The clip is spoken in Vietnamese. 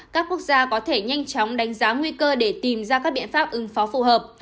các quốc gia có thể nhanh chóng đánh giá nguy cơ để tìm ra các biện pháp ứng phó phù hợp